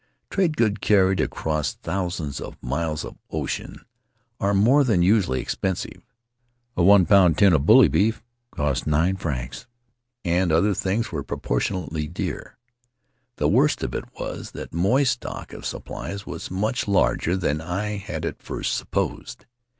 Trade goods carried across thousands of miles of ocean are more than usually expensive. A one pound tin of bully beef cost nine francs, and other things were proportionally dear. The worst of it was that Moy's stock of supplies was much larger than I had at first supposed.